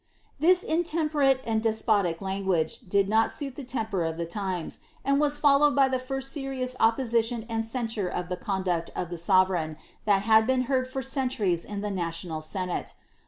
"' This intemperate and despotic language did not suit the temper of the tiflMs, and was followed by the first serious opposition and censure of the conduct of the sovereign that had been heard for centuries in the Bstional senate.